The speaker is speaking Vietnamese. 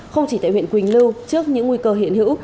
không chỉ tại huyện quỳnh lưu trước những nguy cơ hiện hữu